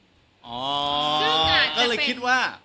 อ๋อก็เลยคิดว่า